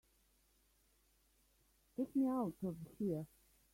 Take me out of here!